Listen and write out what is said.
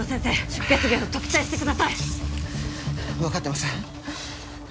出血源を特定してください分かってます